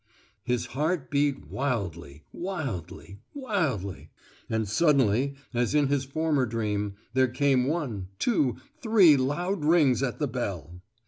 His heart beat wildly, wildly, wildly; and suddenly, as in his former dream, there came one—two—three loud rings at the bell.